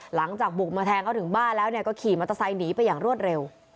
หลังจากบุกมาแทงเขาถึงบ้านแล้วก็ขี่มอเตอร์ไซค์หนีไปอย่างรวดเร็ว